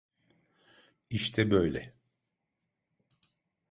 İşte böyle.